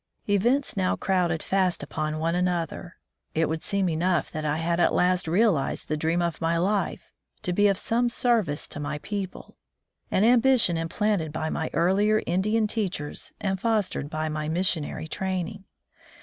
Events now crowded fast upon one another. It would seem enough that I had at last realized the dream of my life — to be of some service to my people — an ambition implanted by my earlier Indian teachers and fostered by my missionary training.